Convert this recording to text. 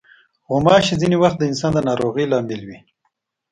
غوماشې ځینې وخت د انسان د ناروغۍ لامل وي.